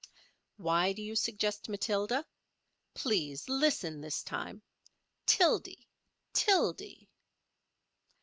Why do you suggest Matilda? Please listen this time—Tildy—Tildy.